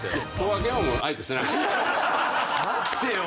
待ってよ